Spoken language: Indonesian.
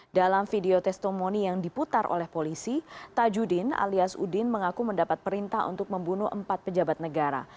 dalam video testimoni yang diputar oleh polisi tajudin alias udin mengaku mendapat perintah untuk membunuh empat pejabat negara